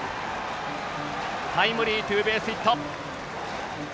タイムリーツーベースヒット。